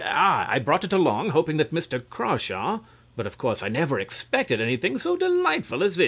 I brought it along, hoping that Mr. Crawshaw but of course I never expected anything so delightful as this.